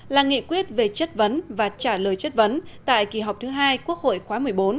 là nghị quyết về chất vấn và trả lời chất vấn tại kỳ họp thứ hai quốc hội khóa một mươi bốn